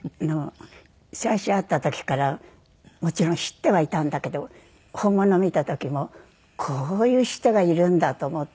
最初会った時からもちろん知ってはいたんだけど本物見た時もこういう人がいるんだと思って。